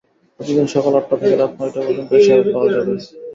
প্রতিদিন সকাল আটটা থেকে রাত নয়টা পর্যন্ত এ সেবা পাওয়া যাবে।